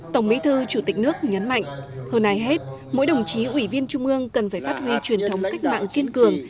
tổng bí thư chủ tịch nước nhấn mạnh hơn ai hết mỗi đồng chí ủy viên trung ương cần phải phát huy truyền thống cách mạng kiên cường